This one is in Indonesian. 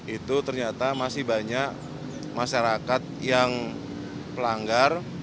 itu ternyata masih banyak masyarakat yang pelanggar